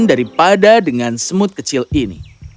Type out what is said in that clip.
daripada dengan semut kecil ini